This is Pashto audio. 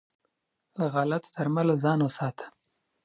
له غلطو درملنو ځان وساته.